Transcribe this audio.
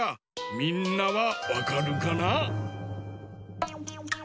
みんなはわかるかな？